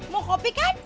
mau kopi kan